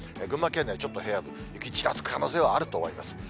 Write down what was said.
群馬県内、ちょっと平野部、雪ちらつく可能性はあると思います。